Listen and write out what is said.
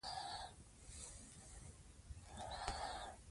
د جنګ د اوبو کوهي تر ټولو مهم وو.